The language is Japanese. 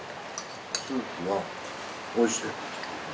スープはおいしい。